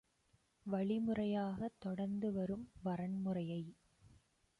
வழிமுறையாகத் தொடர்ந்துவரும் வரன்முறையை